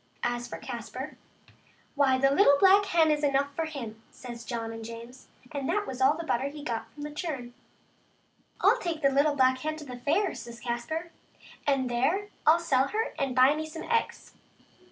As for Caspar, "why, the little black hen is enough for him," says John and James, and that was all the butter he got from that churn. " I'll take the little black hen to the fair," says Caspar, " and there ril sell her and buy me some eggs.